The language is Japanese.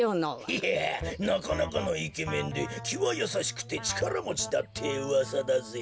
いやなかなかのイケメンできはやさしくてちからもちだってうわさだぜ。